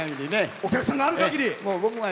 お客さんがあるかぎりね。